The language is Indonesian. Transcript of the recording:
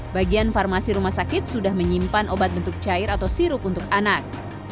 bagian farmasi rumah sakit sudah menyimpan obat bentuk cair atau sirup untuk anak